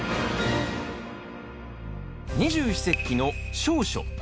二十四節気の小暑。